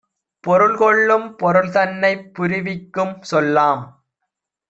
பொருள்கொள்ளும் பொருள்தன்னைப் புரிவிக்கும் சொல்லாம்.